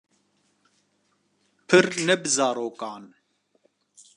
Pir ne bi zarokan